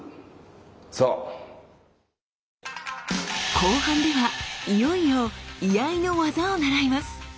後半ではいよいよ居合の「業」を習います。